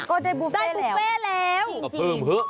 ก็ได้บุฟเฟ่แล้วจริงได้บุฟเฟ่แล้ว